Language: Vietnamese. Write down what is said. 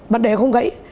bạn để nó không gãy